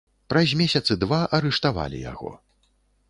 Праз месяцы два арыштавалі яго.